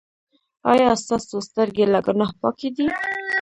ایا ستاسو سترګې له ګناه پاکې دي؟